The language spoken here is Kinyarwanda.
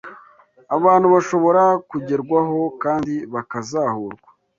Abantu bashobora kugerwaho kandi bakazahurwa